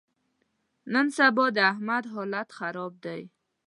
نن سبا د احمد حالت خراب دی.